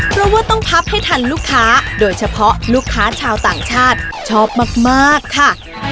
เพราะว่าต้องพับให้ทันลูกค้าโดยเฉพาะลูกค้าชาวต่างชาติชอบมากค่ะ